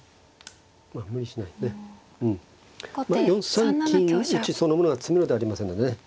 ４三金打そのものは詰めろではありませんのでね。